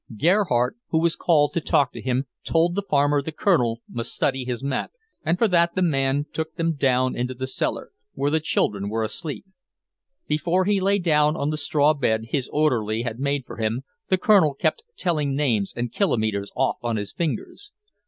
Gerhardt, who was called to talk to him, told the farmer the Colonel must study his map, and for that the man took them down into the cellar, where the children were asleep. Before he lay down on the straw bed his orderly had made for him, the Colonel kept telling names and kilometers off on his fingers.